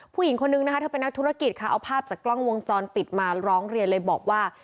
ผู้หญิงคนนึงนะคะเธอเป็นนักธุรกิจค่ะเอาภาพจากกล้องวงจรปิดมาร้องเรียนเลยบอกว่า